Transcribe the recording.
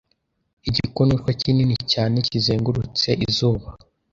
Igikonoshwa kinini cyane kizengurutse izuba